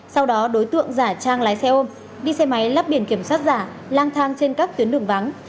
sau đó đối tượng giả trang lái xe ôm đi xe máy lắp biển kiểm soát giả lang thang trên các tuyến đường vắng